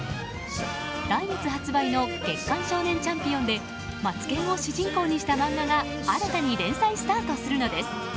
来月発売の「月刊少年チャンピオン」でマツケンを主人公にした漫画が新たに連載スタートするのです。